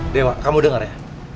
dewa kamu denger ya